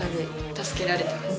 助けられてます。